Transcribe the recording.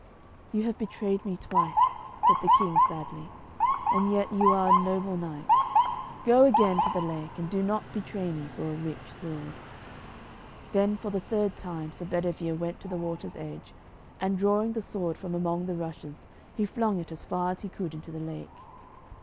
'You have betrayed me twice,' said the King sadly, 'and yet you are a noble knight! Go again to the lake, and do not betray me for a rich sword.' Then for the third time Sir Bedivere went to the water's edge, and drawing the sword from among the rushes, he flung it as far as he could into the lake.